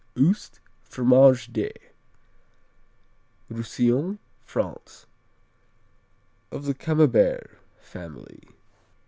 Oust, Fromage de Roussillon, France Of the Camembert family.